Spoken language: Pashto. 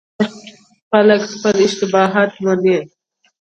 هوښیار خلک خپل اشتباهات مني.